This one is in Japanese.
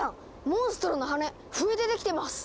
モンストロの羽笛でできてます！